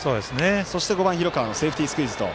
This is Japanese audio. そして、５番、広川のセーフティースクイズと。